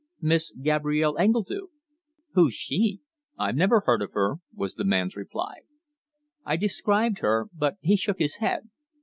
"Miss Gabrielle Engledue." "Who's she? I've never heard of her," was the man's reply. I described her, but he shook his head.